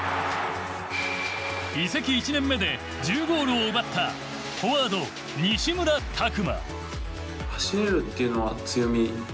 移籍１年目で１０ゴールを奪ったフォワード西村拓真。